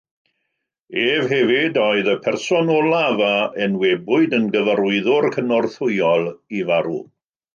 Ef hefyd oedd y person olaf a enwebwyd yn Gyfarwyddwr Cynorthwyol i farw.